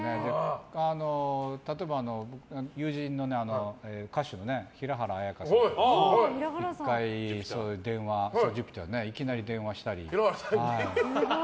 例えば、友人の歌手の平原綾香さんとか１回、いきなり電話したり。